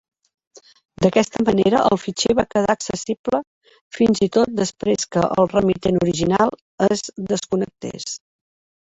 D'aquesta manera, el fitxer va queda accessible fins i tot després que el remitent original es desconnectés.